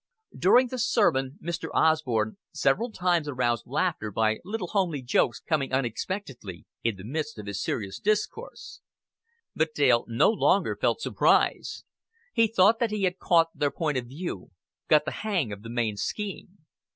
During the sermon Mr. Osborn several times aroused laughter by little homely jokes coming unexpectedly in the midst of his serious discourse; but Dale no longer felt surprise. He thought that he had caught their point of view, got the hang of the main scheme.